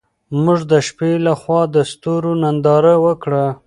موږ د شپې لخوا د ستورو ننداره وکړه.